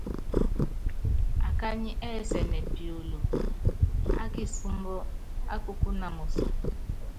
Akanyiɛ́ ɛsɛ́nɛ piolo ákisúmbɔ́ ákukúna moso.